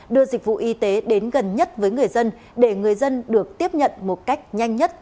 đưa dịch vụ y tế đến gần nhất với người dân để người dân được tiếp nhận một cách nhanh nhất